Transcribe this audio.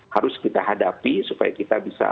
harus kita hadapi supaya kita bisa